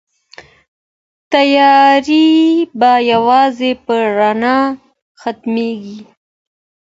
تيارې به يوازې په رڼا ختميږي.